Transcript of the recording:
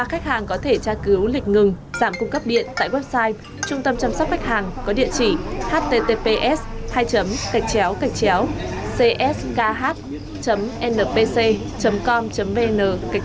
và khách hàng có thể tra cứu lịch ngừng giảm cung cấp điện tại website trung tâm chăm sóc khách hàng có địa chỉ https hai cạch chéo cạch chéo cskh lịchcắtdien com vn